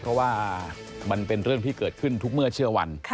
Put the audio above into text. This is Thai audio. เพราะว่ามันเป็นเรื่องที่เกิดขึ้นทุกเมื่อเชื่อวัน